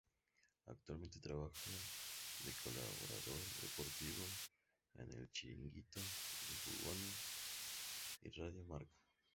Actualmente, trabaja de colaborador deportivo en El Chiringuito de Jugones y Radio Marca.